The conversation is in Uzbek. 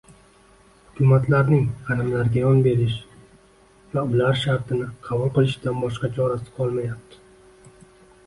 Hukumatlarning g‘animlarga yon berish va ular shartini qabul qilishdan boshqa chorasi qolmayapti